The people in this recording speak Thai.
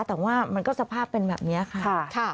แต่ว่ามันก็สภาพเป็นแบบนี้ค่ะ